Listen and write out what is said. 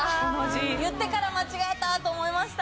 言ってから間違えた！と思いました。